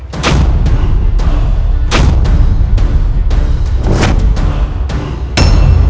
kau tidak bisa